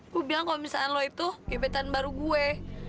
gue bilang kalau misalkan lo itu gemetan baru gue